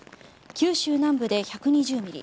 九州南部で１２０ミリ